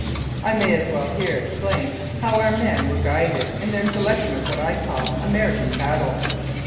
I may as well here explain how our men were guided in their selection of what I call American cattle.